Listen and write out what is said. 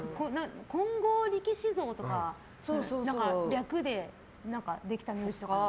金剛力士像とかの略でできた名字とか。